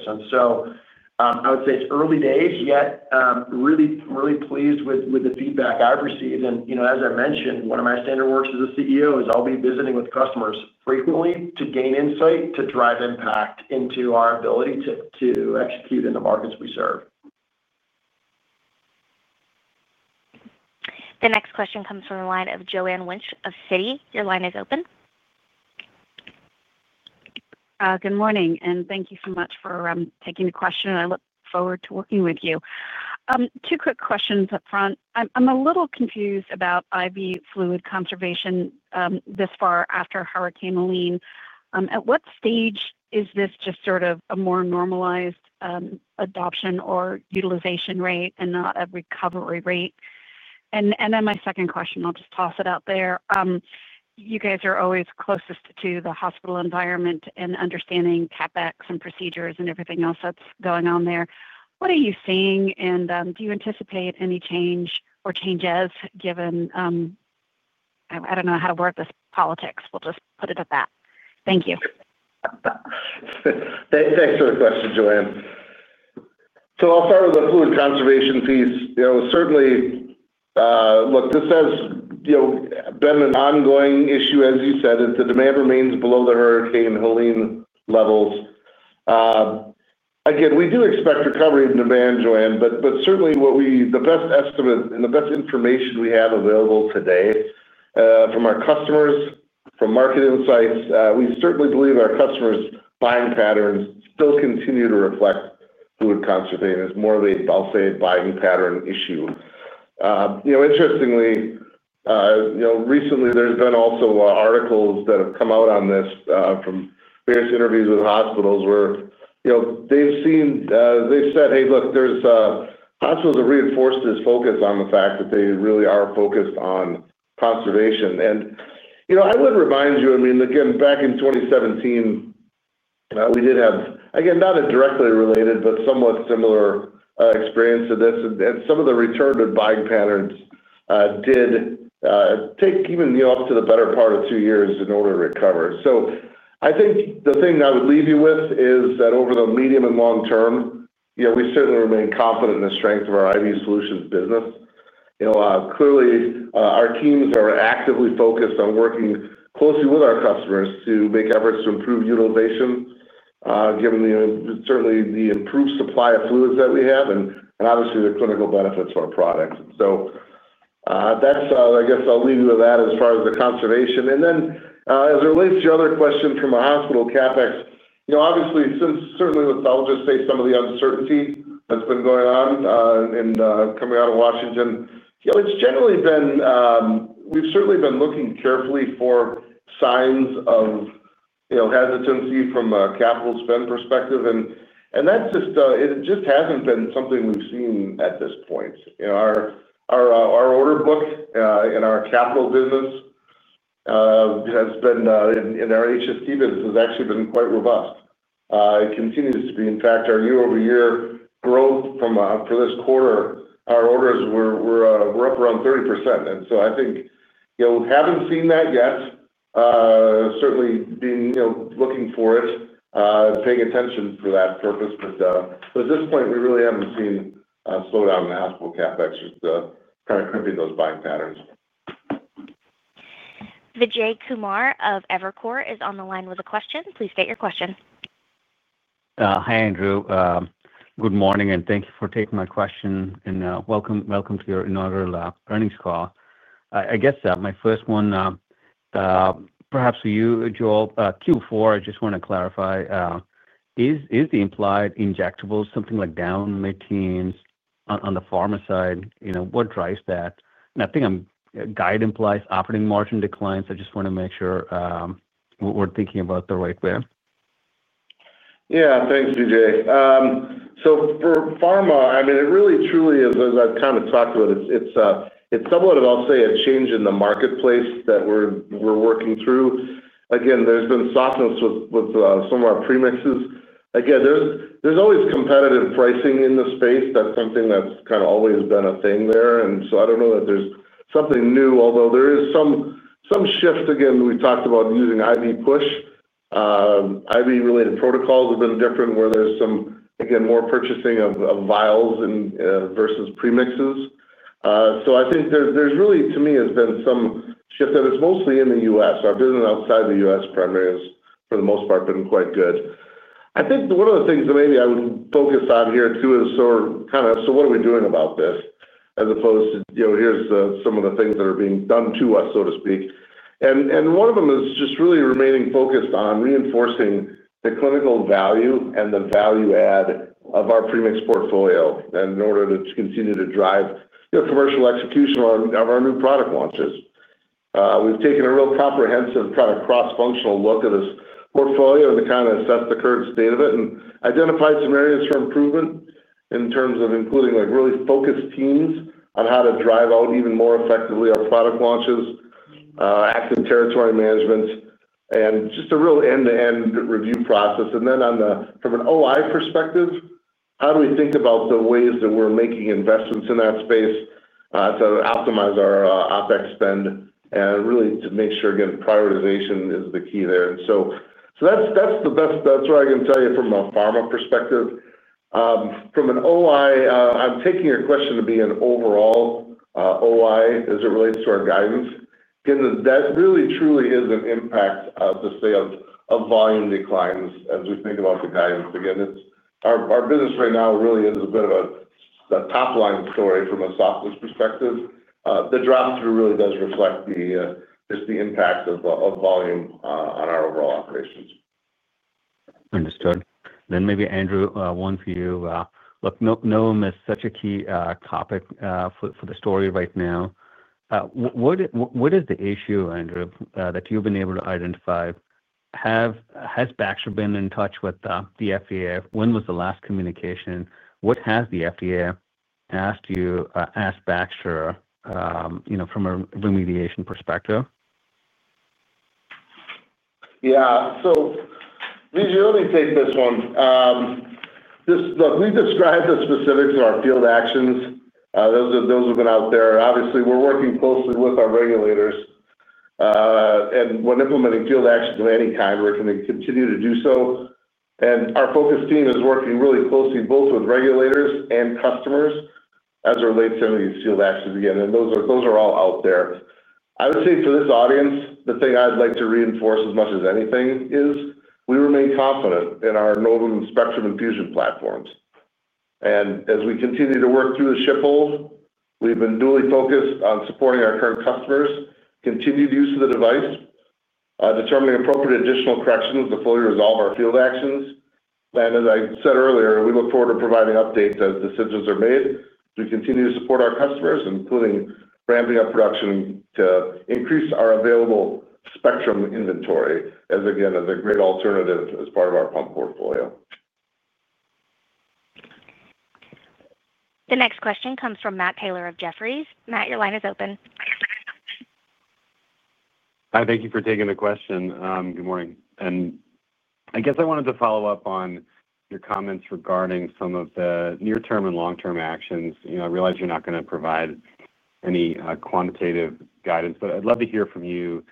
I would say it's early days yet. Really, really pleased with the feedback I've received. You know, as I mentioned, one of my standard works as CEO is I'll be visiting with customers frequently to gain insight to drive impact into our ability to execute in the markets we serve. The next question comes from the line of Joanne Wuensch of Citi. Your line is open. Good morning and thank you so much for taking the question. I look forward to working with you. Two quick questions up front. I'm a little confused about IV fluid conservation this far after Hurricane Helene. At what stage is this just sort of a more normalized adoption or utilization rate and not a recovery rate? My second question, I'll just toss it out there. You guys are always closest to the hospital environment and understanding CapEx and procedures and everything else that's going on there. What are you seeing and do you anticipate any change or changes given, I don't know how to word this, politics. We'll just put it at that. Thank you. Thanks for the question, Joanne. I'll start with the fluid conservation piece. Certainly, this has been an ongoing issue as you said. If the demand remains below the Hurricane Helene levels, we do expect recovery of demand. Joanne, the best estimate and the best information we have available today from our customers and from Market Insights, we believe our customers' buying patterns still continue to reflect fluid conservation as more of a, I'll say, buying pattern issue. Interestingly, recently there have also been articles that have come out on this from various interviews with hospitals where they've said, hey look, hospitals have reinforced this focus on the fact that they really are focused on it. I would remind you, back in 2017 we did have, not a directly related but somewhat similar experience to this, and some of the return to buying patterns did take even up to the better part of two years in order to recover. I think the thing I would leave you with is that over the medium and long-term, we certainly remain confident in the strength of our IV Solutions business. Our teams are actively focused on working closely with our customers to make efforts to improve utilization given the improved supply of fluids that we have and obviously the clinical benefits for our products. I'll leave you with that as far as the conservation, and then as it relates to your other question from a hospital CapEx perspective, obviously with some of the uncertainty that's been going on coming out of Washington, we've been looking carefully for signs of hesitancy from a capital spend perspective, and that just hasn't been something we've seen at this point. Our order book in our capital business, in our HST business, has actually been quite robust. It continues to be; in fact, our year-over-year growth for this quarter, our orders were up around 30%, and you haven't seen that yet. We are looking for it, paying attention for that purpose, but at this point we really haven't seen a slowdown in the hospital CapEx crimping those buying patterns. Vijay Kumar of Evercore is on the line with a question. Please state your question. Hi Andrew, good morning and thank you for taking my question and welcome, welcome to your inaugural earnings call. I guess my first one perhaps for you Joel. Q4 I just want to clarify. Is the implied injectable something like down mid-teens on the pharma side? You know what drives that, nothing guide implies operating margin declines. I just want to make sure thinking about the right way. Yeah. Thanks Vijay. For pharma, I mean it really truly is, as I've kind of talked about, it's somewhat of, I'll say, a change in the marketplace that we're working through. There's been softness with some of our premixes. There's always competitive pricing in the space. That's something that's kind of always been a thing there. I don't know that there's something new, although there is some shift. We talked about using IV push, IV related protocols have been different where there's some more purchasing of vials versus premixes. I think there really to me has been some shift and it's mostly in the U.S. Our business outside the U.S. primarily has for the most part been quite good. I think one of the things that maybe I would focus on here too is what are we doing about this as opposed to here's some of the things that are being done to us, so to speak. One of them is just really remaining focused on reinforcing the clinical value and the value add of our premix portfolio in order to continue to drive commercial execution of our new product launches. We've taken a real comprehensive product cross-functional look at this portfolio to kind of assess the current state of it and identified some areas for improvement in terms of including really focused teams on how to drive out even more effectively our product launches, active territory management and just a real end-to-end review process. From an OI perspective, how do we think about the ways that we're making investments in that space to optimize our OpEx spend and really to make sure prioritization is the key there. That's the best, that's what I can tell you from a pharma perspective from an OI. I'm taking your question to be an overall OI as it relates to our guidance that really truly is an impact of the sales or volume declines. As we think about the guidance, our business right now really is a bit of a top line story from a softness perspective. The drop through really does reflect just the impact of volume on our overall operations. Understood. Then maybe Andrew, one for you. Look, Novum is such a key topic for the story right now. What is the issue, Andrew, that you've been able to identify? Has Baxter been in touch with the FDA? When was the last communication? What has the FDA asked you? Asked Baxter from a remediation perspective. Yeah. Let me take this one. We described the specifics of our field actions. Those have been out there. Obviously we're working closely with our regulators, and when implementing field actions of any kind, we're going to continue to do so. Our focus team is working really closely both with regulators and customers as it relates to these field actions. Those are all out there. I would say for this audience the thing I'd like to reinforce as much as anything is we remain confident in our Novum Spectrum infusion platforms, and as we continue to work through the shiphold, we've been duly focused on supporting our current customers, continued use of the device, determining appropriate additional corrections to fully resolve our field actions. As I said earlier, we look forward to providing updates as decisions are made. We continue to support our customers, including ramping up production to increase our available Spectrum inventory as a great alternative as part of our pump portfolio. The next question comes from Matt Taylor of Jefferies. Matt, your line is open. Hi, thank you for taking the question. Good morning. I guess I wanted to follow-up on your comments regarding some of the near-term and long-term actions, I realize you're not going to provide any quantitative guidance, but I'd—love to hear from you,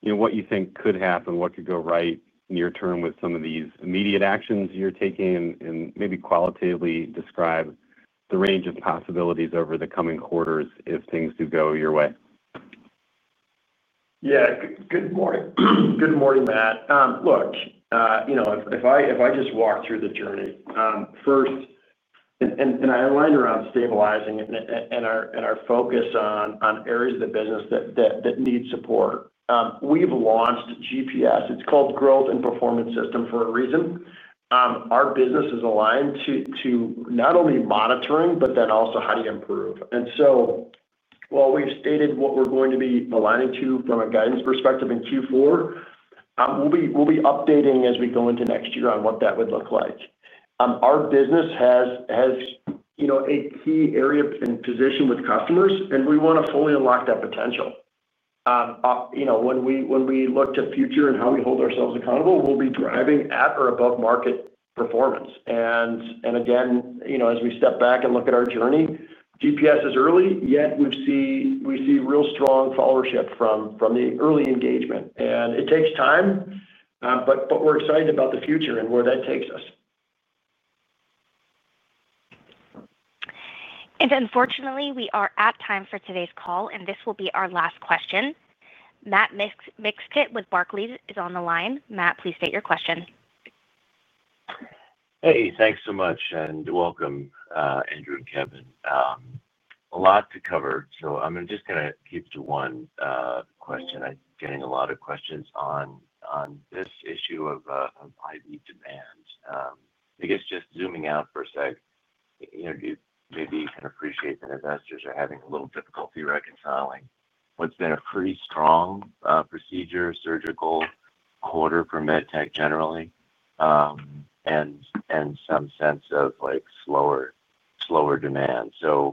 you know. What you think could happen, what could go right near-term with some of these immediate actions you're taking, and maybe qualitatively describe the range of possibilities over the coming quarters if things do go your way. Good morning. Good morning, Matt. If I just walk through the journey first and I aligned around stabilizing and our focus on areas of the business that need support. We've launched GPS. It's called Growth and Performance System for a reason. Our business is aligned to not only monitoring, but then also how do you improve. While we've stated what we're going to be aligning to from a guidance perspective in Q4, we'll be updating as we go into next year on what that would look like. Our business has a key area in position with customers and we want to fully unlock that potential. When we look to future and how we hold ourselves accountable, we'll be driving at or above market performance. As we step back and look at our journey, GPS is early yet we see real strong followership from the early engagement and it takes time. We're excited about the future and where that takes us. Unfortunately, we are at time for today's call and this will be our last question. Matt Mixkit with Barclays is on the line. Matt, please state your question. Hey, thanks so much and welcome Andrew and Kevin. A lot to cover, so I'm just going to keep to one question. I'm getting a lot of questions on this issue of IV demand. I guess just zooming out for a sec, maybe you can appreciate that investors are having a little difficulty reconciling what's been a pretty strong procedure surgical quarter for medtech generally and some sense of slower demand. Is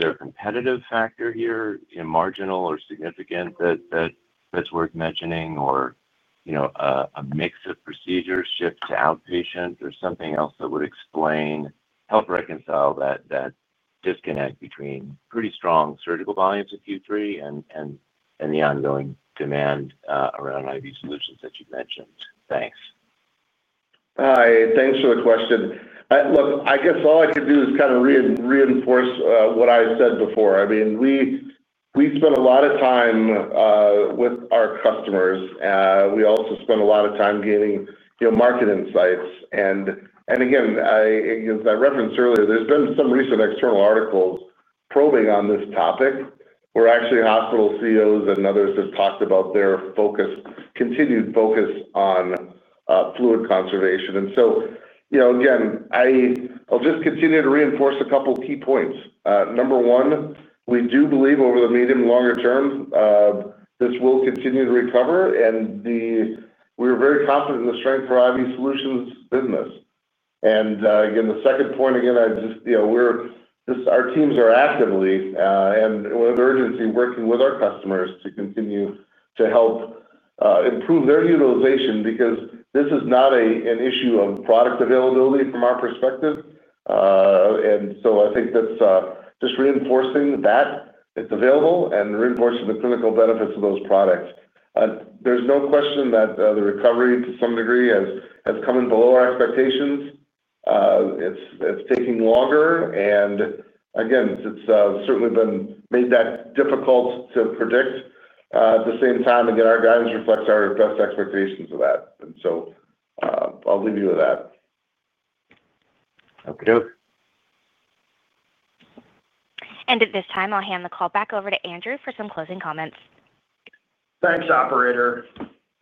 there a competitive factor here in marginal or significant that's worth mentioning, or a mix of procedures shift to outpatient or something else that would help reconcile that disconnect between pretty strong surgical volumes of Q3 and the ongoing demand around IV Solutions that you mentioned. Thanks. Hi, thanks for the question. Look, I guess all I could do is kind of reinforce what I said before. I mean we spend a lot of time with our customers. We also spend a lot of time gaining market insights. As I referenced earlier, there's been some recent external articles probing on this topic where actually hospital CEOs and others have talked about their continued focus on fluid conservation. I'll just continue to reinforce a couple key points. Number one, we do believe over the medium, longer term this will continue to recover. We're very confident in the strength for IV Solutions business. The second point, our teams are actively and with urgency working with our customers to continue to help improve their utilization because this is not an issue of product availability from our perspective. I think that's just reinforcing that it's available and reinforcing the clinical benefits of those products. There's no question that the recovery to some degree has come in below our expectations. It's taking longer and it's certainly been made that difficult to predict. At the same time, our guidance reflects our best expectations of that. I'll leave you with that. Okie doke. At this time, I'll hand the call back over to Andrew for some closing comments. Thanks, operator.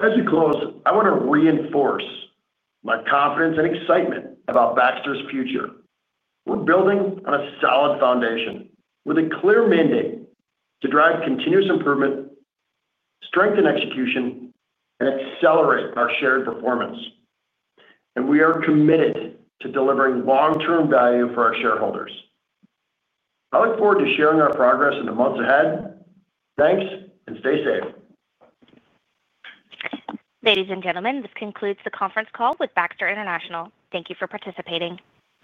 As we close, I want to reinforce my confidence and excitement about Baxter's future. We're building on a solid foundation with a clear mandate to drive continuous improvement, strengthen execution, and accelerate our shared performance. We are committed to delivering long-term value for our shareholders. I look forward to sharing our progress in the months ahead. Thanks and stay safe. Ladies and gentlemen, this concludes the conference call with Baxter International. Thank you for participating.